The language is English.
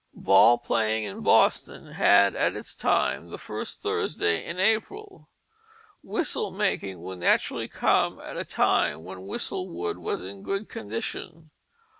Ball playing in Boston had as its time the first Thursday in April. Whistle making would naturally come at a time when whistle wood was in good condition.